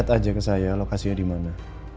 anda chat aja ke saya lokasinya dimana